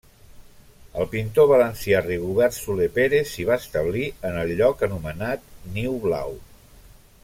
El pintor valencià Rigobert Soler Pérez s'hi va establir en el lloc anomenat Niu Blau.